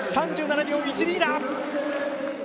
３７秒１２だ。